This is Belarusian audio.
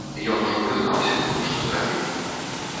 Ён ужо прызнаўся ў тым, што зрабіў.